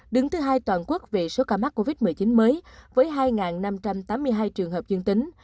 đứng thứ hai toàn quốc về số ca mắc covid một mươi chín mới với hai năm trăm tám mươi hai trường hợp dương tính